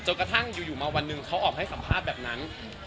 กระทั่งอยู่มาวันหนึ่งเขาออกให้สัมภาษณ์แบบนั้น